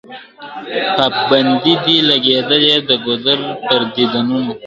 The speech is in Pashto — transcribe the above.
پابندۍ دي لګېدلي د ګودر پر دیدنونو !.